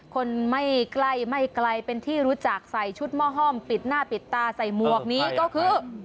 คนไม่ใกล้ไม่ไกลเป็นที่รู้จักใส่ชุดหม้อห้อมปิดหน้าปิดตาใส่หมวกนี้ก็คือ